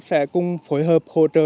sẽ cùng phối hợp hỗ trợ